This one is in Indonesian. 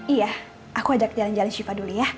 iya aku ajak jalan jalan syifa dulu ya